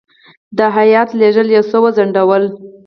د هیات لېږل یو څه وځنډول.